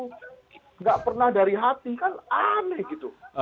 tidak pernah dari hati kan aneh gitu